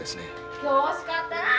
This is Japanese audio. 今日惜しかったなあ。